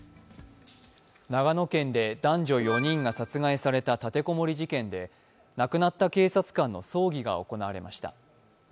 長野県で男女４人が殺害された立て籠もり事件で亡くなった警察官の葬儀が行われました。